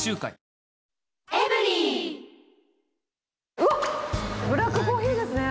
うわっ、ブラックコーヒーですね。